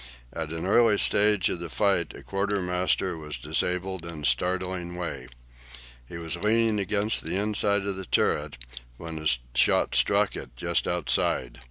At an early stage of the fight a quartermaster was disabled in a startling way. He was leaning against the inside of the turret, when a shot struck it just outside.